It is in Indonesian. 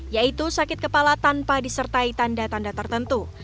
yaitu sakit kepala tanpa disertai tanda tanda tertentu